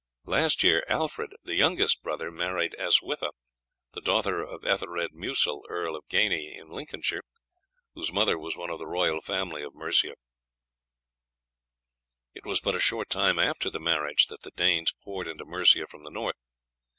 Last year Alfred, the youngest brother, married Elswitha, the daughter of Ethelred Mucil, Earl of the Gaini, in Lincolnshire, whose mother was one of the royal family of Mercia. "It was but a short time after the marriage that the Danes poured into Mercia from the north.